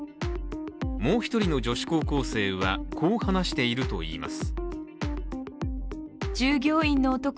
もう一人の女子高校生はこう話しているといいます。